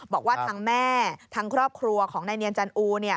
บอกว่าทางแม่ทางครอบครัวของนายเนียนจันอู